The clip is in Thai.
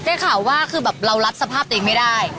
ได้ข่าวว่าคือแบบเรารับสภาพตัวเองไม่ได้